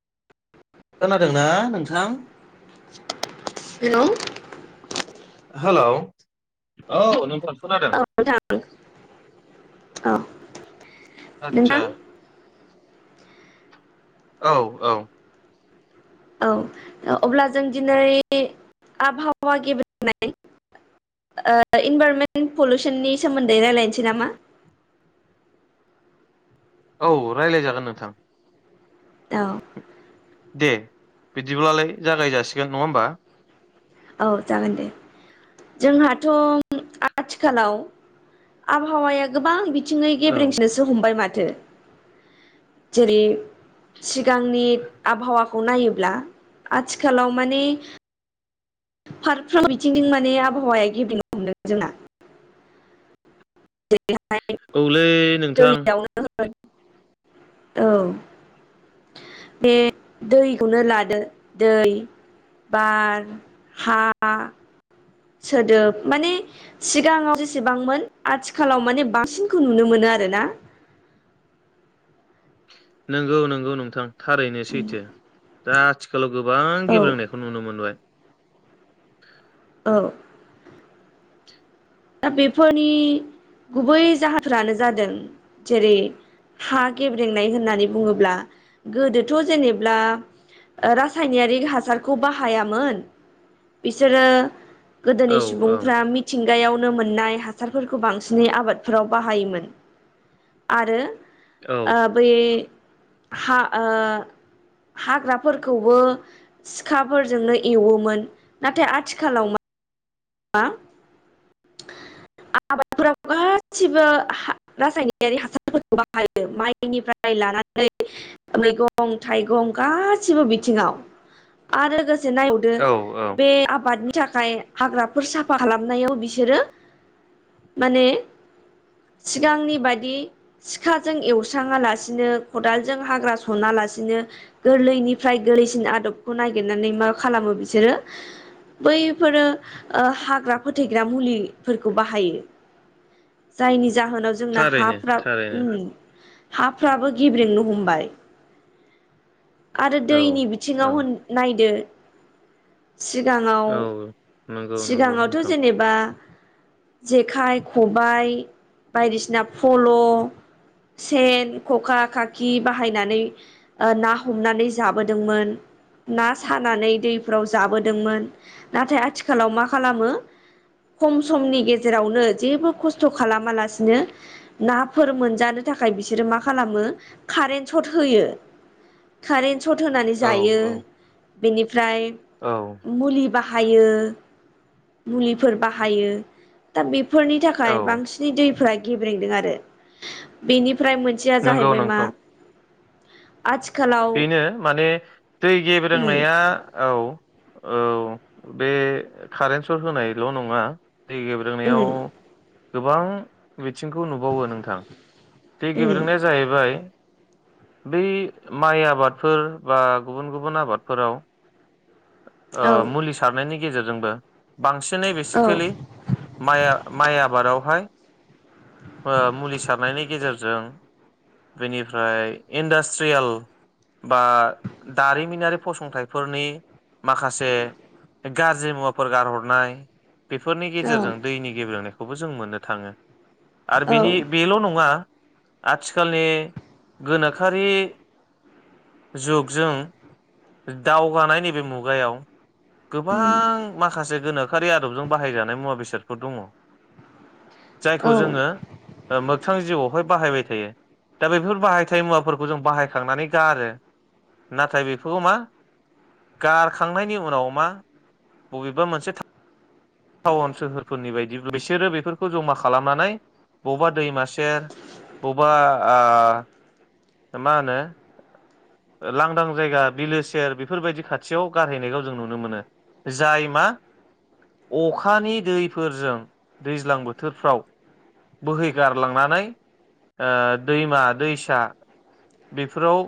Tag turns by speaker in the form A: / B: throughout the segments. A: [unintelligible]
B: खोनादोंना नोंथां
A: hello
B: hello औ नोंथां खोनादों
A: औ नोंथां औ नोंथां
B: आतसा औ औ
A: औ अ अब्ला जों दिनै आबहावा गेब्रेंनाय ओ इनभाररमेन्ट पलुसननि सोमोन्दै रायलायनोसै नामा
B: औ रायलायजागोन नोंथां
A: औ
B: दे बिदिब्लालाय जागाय जासिगोन नङा होमबा
A: औ जागोन दे जोंहाथ' आथिखालाव आबहावाया गोबां बि थिंयै
B: औ
A: गेब्रेसोनोसो हमबाय माथो थो जेरै सिगांनि आबहावाखौ नायोब्ला आथिखालाव माने फारफ्रोम बिथिंजों माने आबहावाया गिबिनो हमदों जोंना
B: औलै नोंथां
A: दैयावनो औ बे दैखौनो लादो दै बार हा सोदोब माने सिगाङाव जेसेबांमोन आथिखालाव माने बांसिनखौ नुनो मोनो आरोना
B: नंगौ नंगौ नोंथां थारैनो सैथो दा आथिखालाव गोबां
A: औ
B: गेब्रोंनायखौ नुनो मोनबाय।
A: औ दा बेफोरनि गुबै जाहोनफ्रानो जादों जेरै हा गेब्रेंनाय होननानै बुङोब्ला गोदोथ' जेनेब्ला रासायनारिक हासारखौ बाहायामोन बिसोरो गोदोनि
B: औ औ
A: सुबुंफ्रा मिथिं गायाव नो मोननाय हासारफोरखौ बांसिनै आबादफोराव बाहायोमोन आरो
B: औ
A: ओ बे हा ओ हाग्राफोरखौबो सिखाफोरजोंनो एवोमोन नाथाय आथिखालाव मा आबादफोराब गासिबो रासायनारि हासारफोरखौ बाहायो माइनिफ्राय लानानै मैगं थाइगं गासिबो बिथिङाव आरो नाय
B: औ औ
A: बे आबादनि थाखाय हाग्रा फोर साफा खालामनायाव बिसोरो माने सिगांनि बादि सिखाजों एवस्राङा लासिनो खदालजों हाग्रा सना लासिनो गोरलैनिफ्राय गोरलैसिन आदबखौ नागिरनानै मा खालामो बिसोरो बैफोरो ओ हाग्रा फोथैग्रा मुलिफोरखौ बाहायो जायनि जाहोनाव जोंना
B: थारैनो
A: हाफ्रा
B: थारैनो
A: हाफ्राबो गेब्रेंनो हमबाय आरो
B: औ
A: दैनि
B: औ
A: बिथिङाव होन नायदो सिगाङाव
B: औ नंगौ नंगौ
A: सिगाङावथ'
B: नोंथां
A: जेनेबा जेखाइ खबाइ बायदिसिना फल' सेन खखा खाखि बाहायनानै ना हमनानै जाबोदोंमोन ना सानानै दैफोराव जाबोदोंमोन नाथाय आथिखाल आथिखालाव मा खालामो खम समनि गेजेरावनो जेबो खस्थ' खालामालासिनो नाफोर मोनजानो थाखाय बिसोरो मा खालामो कारेन्ट सट होयो। सट होनानै
B: औ
A: जायो।
B: औ
A: बेनि फ्राय
B: औ
A: मुलि बाहायो। मुलिफोर बाहायो दा बे फोरनि थाखाय
B: औ
A: बांसिनै दैफ्रा गेब्रेंदों आरो बेनि फ्राय मोनसेया
B: नंगौ
A: जाहैबाय मा
B: नोंगौ
A: आथिखालाव
B: बेनो माने दै गेब्रे
A: उम
B: नाया औ औ बे कारेन्ट सट होनायल' नङा दै गेब्रोंनायाव
A: उम
B: गोबां बिथिंखौ नुबावो नोंथां बे
A: उम
B: गेब्रेनाया जाहैबाय बे माइ आबादफोर बा गुबुन गुबुन आबादफोराव ओ
A: औ
B: मुलि सारनायनि नि गेजेरजोंबो बांसिनै
A: औ
B: बेसिकेलि माइ माइ आबादावहाय ओ मुलि सारनायनि गेजेरजों बेनिफ्राय इन्डास्ट्रियेल बा दारिमिनारि फसंथाइफोरनि माखासे गाज्रि मुवाफोर गारहरनाय बेफोरनि
A: औ
B: गेजेरजों दैनि गेब्रेनायखौ खौबो जों मोननो थाङो। आरो
A: औ
B: बेनि बेल' नङा आथिखालनि गोनोखोआरि जुगजों दावगानाय नैबे मुग मुगायाव गोबां
A: उम
B: माखासे गोनो खोआरि आदबजों बाहायजानाय मुवा बेसादफोर दङ। जायखौ
A: औ
B: जोङो ओ मोगथां जिउआव बो बाहायबाय थायो दा बेफोर बाहायथाय मुवाफोरखौ जों बाहायखांनानै गारो नाथाय बेखौबो मा गारखांनायनि उनाव मा बबेबा मोनसे टाउन सोहोरफोरनि बायदि बिसोरो बेफोरखौ जमा खालामनानै बबेबा दैमा सेर बबेबा ओ मा होनो लांदां जायगा बिलो सेर बेफोरबायदि खाथियाव गारहैनायखौ जों नुनो मोनो जाय मा अखानि दैफोरजों दैज्लां बोथोरफ्राव बोहैगारलांनानै ओ दैमा दैसा बेफोराव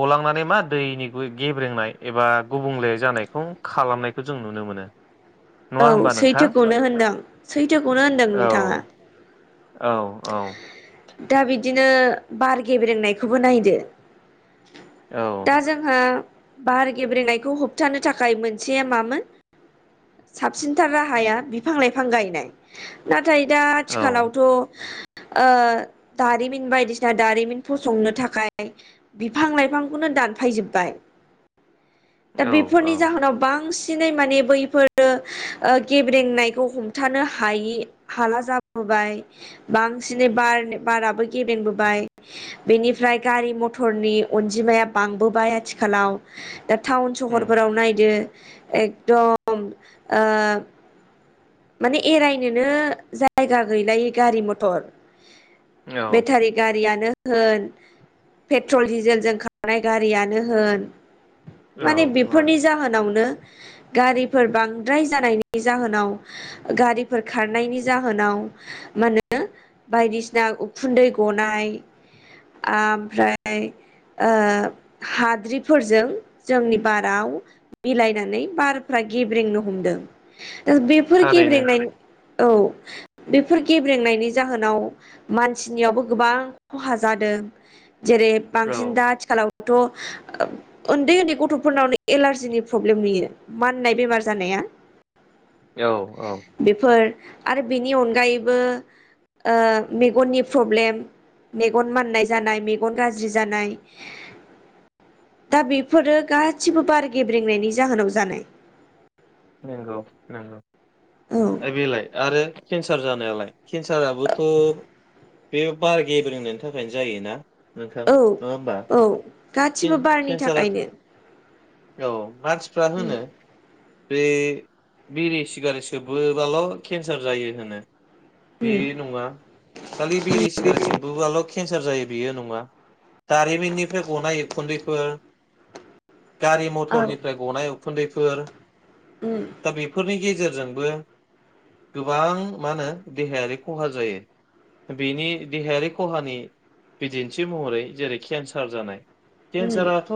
B: गलांनानै मा दैनि गेब्रेंनाय एबा गुबुंले जानायखौ खालामनायखौ जों नुनो मोनो।
A: औ
B: नङा होमबा नोंथां
A: सैथोखौनो होनदों सैथोखौनो होनदों
B: औ
A: नोंथाङा।
B: औ औ
A: दा बिदिनो बार गेब्रेंनायखौबो नायदो
B: औ
A: दा जोंहा बार गेब्रेनायखौ होबथानो थाखाय मोनसे मामोन साबसिनथार राहाया बिफां लाइफां गायनाय नाथाय। नाथाय दा
B: औ
A: आथिखालावथ' ओ दारिमिन बायदिसिना दारिमिन फसंनो थाखाय बिफां लाइफांखौनो दानफायजोबबाय दा
B: औ औ
A: बेफोरनि जाहोनाव बांसिन बांसिनै माने बैफोरो गेब्रेंनायखौ हमथानो हायि हाला जाबोबाय बांसिनै बार बाराबो गेब्रेंबोबाय बेनिफ्राय गारि मथरनि अनजिमाया बांबोबाय आथिखालाव दा टाउन
B: उम
A: सहरफोराव नायदो एकदम ओ माने एरायनोनो जायगा गैलायि गारि मथर
B: औ
A: बेटारि गारि गारियनो होन पेट्रल डिजेलजों खारनाय गारियानो होन
B: औ
A: माने
B: औ
A: बेफोरनि जाहोनावनो गारिफोर बांद्राय जानायनि जाहोनाव गारिफोर खारनायनि जाहोनाव मा होनो बायदिसिना उखुन्दै गनाय ओमफ्राय ओ हाद्रिफोरजों जोंनि बाराव मिलायनानै बारफ्रा गेब्रेंनो हमदों बेफोर
B: थारैनो
A: गेब्रेंनायनि औ बेफोर गेब्रेंनायनि जाहोनाव मानसिनियावबो गोबां खहा जादों जेरै
B: औ
A: बांसिन दा आथिखालाव थ' उन्दै उन्दै गथ'फोरनावनो एलारजिनि प्रब्लेम नुयो माननाय बेमार जानाया
B: औ औ
A: बेफोर आरो बेनि अनगायैबो ओ मेगननि प्रब्लेम मेगन माननाय जानाय मेगन गाज्रि जानाय दा बेफोरो गासिबो बार गेब्रेंनायनि जाहोनाव जानाय
B: नंगौ
A: औ
B: नंगौ। बेलाय आरो केन्सार जानानै नालाय केन्साराबोथ' बे बार गेब्रेंनायनि थाखायनो जायोना? नोंथां
A: औ
B: नङा होमबा
A: औ गासिबो बारनि
B: केन्सारा
A: थाखायनो
B: औ मानसिफ्रा
A: उम
B: होनो बे बिरि सिगारेट सोबोबाल' केन्सार जायो होनो बे
A: उम
B: नङा खालि बेरि सिगारसोबोआल' केन्सार जायो। बेयो नङा दारिमिननिफ्राय गनाय उखुन्दैफोर गारि
A: औ
B: मथरनिफ्राय गनायाव उखुन्दैफोर
A: उम
B: दा बेफोरनि गेजेरजों जोंबो गोबां मा होनो देहायारि खहा जायो बेनि देहायारि खहानि बिदिन्थि महरै जेरै केन्सार जानाय
A: उम
B: केन्साराथ'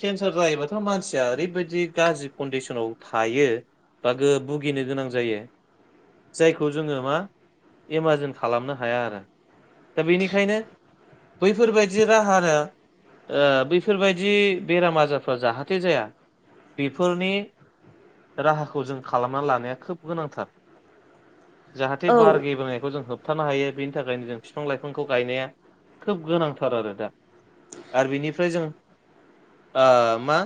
B: केन्सार जायोबाथ' मानसिया ओरैबायदि गाज्रि कनदिसनाव थायो बा भुगिनो गोनां जायखौ जोङो मा एमाजन खालामनो हाया आरो दा बेनिखायनो बैफोरबायदि राहानो बैफोरबायदि बेराम आजारफ्रा जाहाथे जाया बेफोर फोरनि राहाखौ जों खालामना लानाया खोब गोनांथार जाहाथे
A: औ
B: बार गेबोनायखौ जों होब होबथानो हायो बेनि थाखायनो जों बिफां लाइफांखौ गायनाया खोब गोनांथार आरो दा आरो बेनिफ्राय जों ओ मा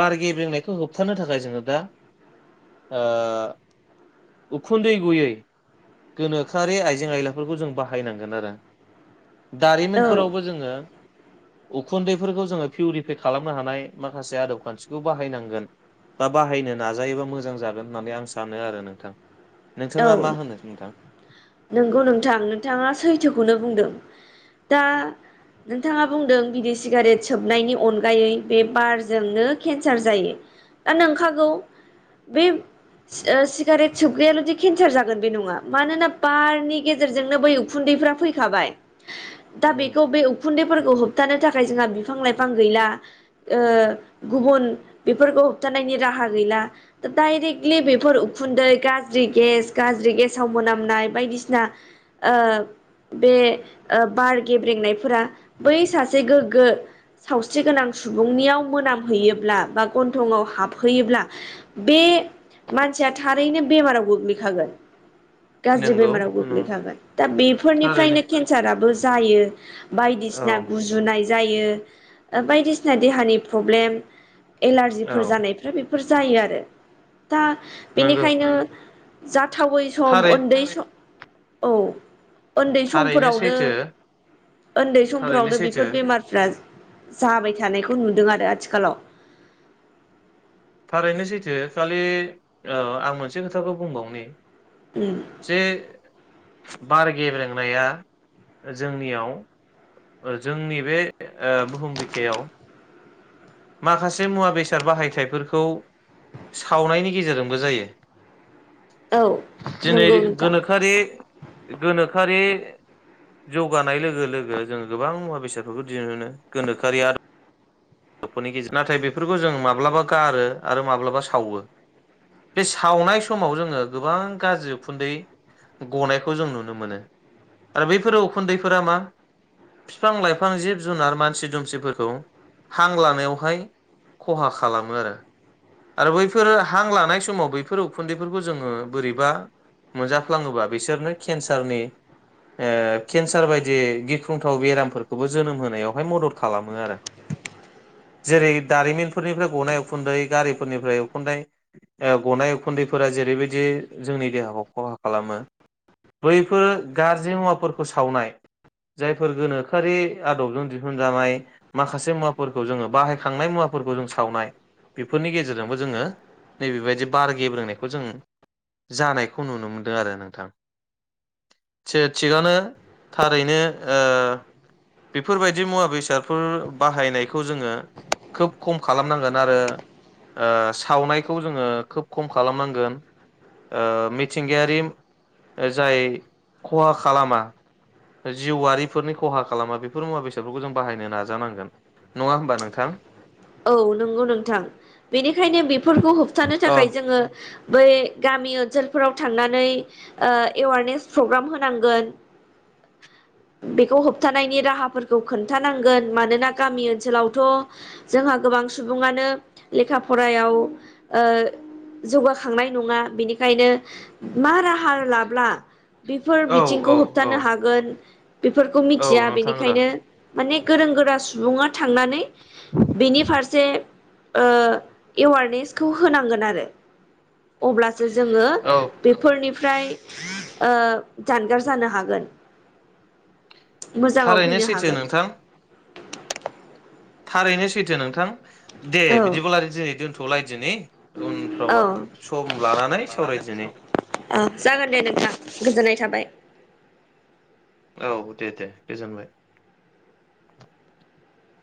B: बारगे बेंनायखौ होब होबथारनो थाखाय जोङो दा ओ उखुन्दै गयै गोनोखोआरि आइजें आयलाफोरखौ जों बाहायनांगोन आरो
A: औ
B: दारिमिनफोरावबो जोङो उखुन्दैफोरखौ जोङो पिउरिफाइ खालामनो हानाय माखासे आदब खान्थिखौ बाहायनांगोन बा बाहायनो नाजायोबा मोजां जागोन होननानै आं सानो आरो नोंथां
A: औ
B: नोंथाङा मा होनो नोंथां
A: नंगौ नोंथां नोंथाङा सैथोखौनो बुंदों दा नोंथाङा बुंदों बिदि सिगारेट सोबनायनि अनगायै बे बारजोंनो केन्सार जायो दा नंखागौ बे सिगारेट सोबग्रायाल' दि केन्सार जागोन बे नङा मानोना बारनि गेजेरजोंनो बै उखुन्दैफ्रा फैखाबाय दा बेखौ बे उखुन्दैफोरखौ होब होबथानो थाखाय जोंहा बिफां लाइफां गैला ओ गुबुन बेफोरखौ होबथानायनि राहा गैला डाइरेक्टलि बेफोर उखुन्दै गाज्रि गेस गाज्रि गेसाव मोनामनाय बायदिसिना ओ बे बार गेब्रेंनायफोरा बै सासे गोग्गो सावस्रि गोनां सुबुंनियाव मोनामहैयोब्ला बा ग'न्थंआव हाबहैयोब्ला बे मानसिया थारैनो बेमाराव बुगि खागोन गाज्रि
B: नंगौ
A: बेमाराव गोग्लैखागोन दा
B: थारैनो
A: बेफोरनिफ्रायनो केन्साराबो जायो
B: औ
A: बायदिसिना गुजुनाय जायो। बायदिसिना देहानि प्रब्लेम एलारजिफोर
B: औ
A: जानायफ्रा बे फोर जायो आरो दा
B: नंगौ
A: बेनिखायनो जाथावै सम
B: थारै
A: उन्दै सम औ न्दै
B: थारैनो
A: समफोरावनो
B: सैथो
A: उन्दै
B: थारैनो
A: समफोरावनो
B: सैथो
A: बेफोर बेमारफ्रा जाबाय थानायखौ नुदों आरो आथिखालाव
B: थारैनो सैथो खालि ओ आं मोनसे खोथाखौ बुंबावनि
A: उम
B: जे बार गेब्रेंनाया जोंनियाव जोंनि बे बुहुम बिखायाव माखासे मुवा बेसाद बाहायथफोरखौ सावनायनि गेजेरजोंबो जायो।
A: औ
B: दिनै
A: नंगौ नोंथां
B: गोनोखोआरि सोरखारि जौगानाय लोगो लोगो जोङो गोबां मुवा बेसादफोरखौ दिहुननो मोनो गोनोखोआरि गफोरनि गेजेरजों नाथाय बेफोरखौ जों माब्लाबा गारो आरो माब्लाबा सावो बे सावनाय समाव जोङो गोबां गाज्रि उखुन्दै गनायखौ जों नुनो मोनो आरो बैफोरो उखुन्दैफोरा मा बिफां लाइफां जिब जुनार मानसि दुमसिफोरखौ हां लानायावहाय खहा खालामो आरो आरो बैफोरो हां लानाय समाव बैफोर उखुन्दैफोरखौ जोङो बोरैबा मोनजाफ्लाङोबा बिसोरनो केन्सारनि ओ केन्सार बायदि गिख्रंथाव बेरामफोरखौबो जोनोम होनायावहाय मदद खालामो आरो जेरै दारिमिनफोरनिफ्राय गनाय उखुन्दै गारिफोरनिफ्राय उखुन्दै गनाय उखुन्दैफोरा जेरैबायदि जोंनि देहाखौ खहा खालामो बैफोर गाज्रि मुवाफोरखौ सावनाय जायफोर गोनोखोआरि आदबजों दिहुनजानाय माखासे मुवा जोो बाहायनाय मुवाफोरखौ जों सावनाय बेफोरनि गेजेरजोंबो जोङो नैबेबायदि बार गेब्रोंनायखौ जों जानायखौ नुनो मोनदों आरो नोंथां थि-थिगनो थारैनो ओ बेफोरबायदि मुवा बेसादफोर बाहायनाय जोङो खोब खम खालामनांगोन आरो ओ सावनायखौ जोङो खोब खम खालामनांगोन मिथिंगायारि जाय खहा खालामा जिउआरिफोरनि खहा खालामा बेफोर मुवा बेसादफोरखौ जों बाहायनो नाजानांगोन। नङा होमबा नोंथां
A: औ नंगौ नोंथां बेनिखायनो बेफोरखौ होबथानो
B: औ
A: थाखाय जोङो बै गामि ओनसोलफोराव थांनानै ओ एवारनेस प्रग्राम होनांगोन बेखौ होबथानायनि राहाफोरखौ खोन्थानांगोन मानोना गामि ओनसोलावथ' जोंहा गोबां सुबुङानो लेखा फरायाव ओ जौगाखांनाय नङा बिनिखायनो मा राहा लाब्ला बेफोर
B: औ
A: बिथिंखौ
B: औ
A: होबथानो हागोन बेफोरखौ
B: औ
A: मिथिया
B: नोंथां रा
A: बेनिखायनो माने गोरों गोरा सुबुङा थांनानै
B: [inaudible]
A: बेनि फारसे एवारनेसखौ होनांगोन आरो अब्लासो जोङो
B: औ
A: बेफोरनि फ्राय ओ जानगार जानो हागोन। मोजाङाव
B: थारैनो
A: फैनो
B: सैथो
A: हागोन
B: नोंथां थारैनो सैथो नोंथां। दे
A: औ
B: बिदिबा रायलायसै दोनथ' लायदिनि
A: औ
B: सावरायदिनि
A: औ जागोन दे नोंथां गोजोननाय थाबाय
B: औ दे दे गोजोनबाय